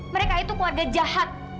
mereka itu keluarga jahat